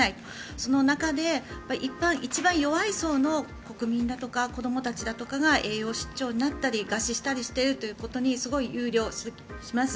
その中で一番弱い層の国民だとか子どもたちだとかが栄養失調になったり餓死しているということにすごい憂慮します。